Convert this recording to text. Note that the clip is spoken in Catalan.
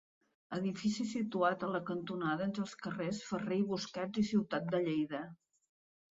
Edifici situat a la cantonada entre els carrers Ferrer i Busquets i Ciutat de Lleida.